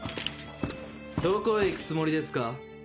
どこへ行くつもりですか？